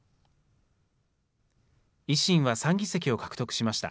維新は３議席を獲得しました。